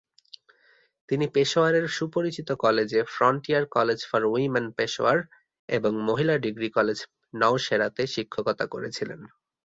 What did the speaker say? তিনি পেশোয়ারের সুপরিচিত কলেজে "frontier college for women Peshawar" এবং "মহিলা ডিগ্রি কলেজ নওশেরা"-তে শিক্ষকতা করেছিলেন।